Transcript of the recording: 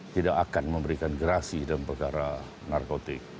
tidak akan memberikan gerasi dalam perkara narkotik